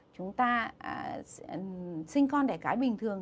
chúng ta sinh con đẻ cái bình thường